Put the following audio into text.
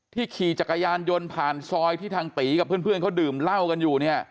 ขี่จักรยานยนต์ผ่านซอยที่ทางตีกับเพื่อนเขาดื่มเหล้ากันอยู่เนี่ย